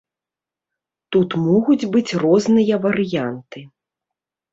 Тут могуць быць розныя варыянты.